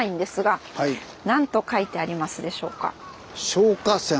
「消火栓」。